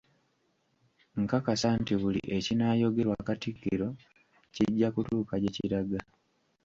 Nkakasa nti buli ekinaayogerwa Katikkiro kijja kutuuka gye kiraga